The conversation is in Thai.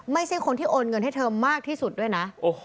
ไม่ใช่คนที่โอนเงินให้เธอมากที่สุดด้วยนะ